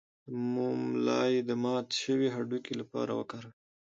د موم لایی د مات شوي هډوکي لپاره وکاروئ